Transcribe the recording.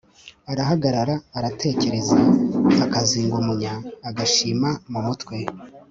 arahagarara aratekereza, akazinga umunya agashima mu mutwe